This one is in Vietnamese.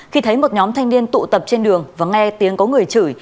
khi thấy một nhóm thanh niên tụ tập trên đường và nghe tiếng có người chửi